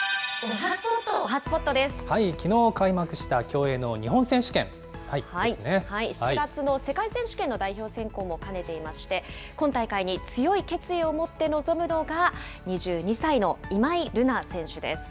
きのう、開幕した競泳の日本選手権。７月の世界選手権の代表選考も兼ねていまして、今大会に強い決意を持って臨むのが、２２歳の今井月選手です。